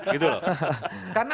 gitu loh karena